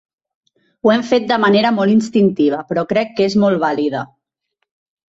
Ho hem fet de manera molt instintiva, però crec que és molt vàlida.